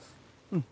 うん。